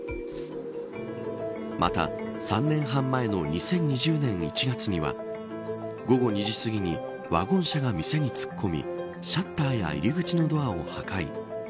また、３年半前の２０２０年１月には午後２時すぎにワゴン車が店に突っ込みシャッターや入り口のドアを破壊。